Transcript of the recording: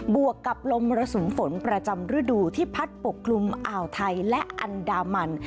วกกับลมมรสุมฝนประจำฤดูที่พัดปกคลุมอ่าวไทยและอันดามัน